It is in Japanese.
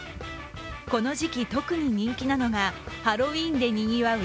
この時期特に人気なのがハロウィーンでにぎわう